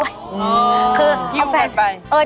สวัสดีครับ